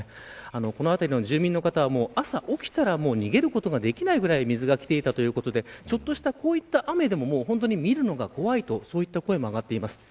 この辺りの住民の方は朝起きたら逃げることができないぐらい水が来ていたということでちょっとした雨でも見るのが怖いという声も上がっています。